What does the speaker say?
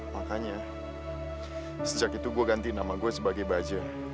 makanya sejak itu gue ganti nama gue sebagai baja